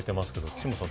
岸本さん。